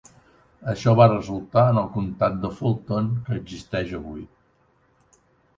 Això va resultar en el comtat de Fulton que existeix avui.